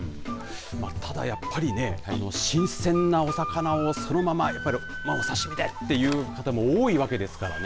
ただやっぱりね新鮮なお魚をそのままお刺し身でという方も多いですからね。